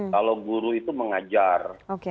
kalau guru itu mengajar